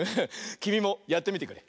きみもやってみてくれ。